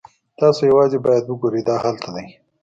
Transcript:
تاسو یوازې باید وګورئ دا هلته دی